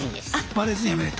バレずに辞めれた。